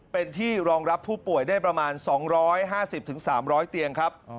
เป็นที่รองรับผู้ป่วยได้ประมาณ๒๕๐๓๐๐เตียงครับ